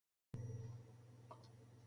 Primer d'any, el sol està en el regall.